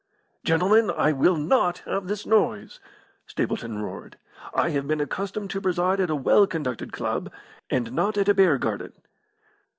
"Gentlemen, I will not have this noise!" Stapleton roared. "I have been accustomed to preside at a well conducted club, and not at a bear garden."